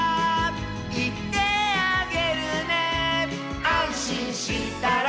「いってあげるね」「あんしんしたら」